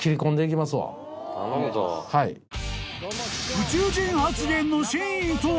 ［宇宙人発言の真意とは？